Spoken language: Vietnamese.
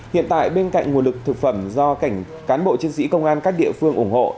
hiện tại bên cạnh nguồn lực thực phẩm do cảnh cán bộ chiến sĩ công an các địa phương ủng hộ